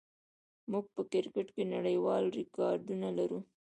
موږ په کرکټ کې نړیوال ریکارډونه لرو.